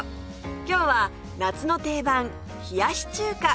今日は夏の定番冷やし中華